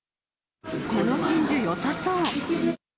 この真珠、よさそう。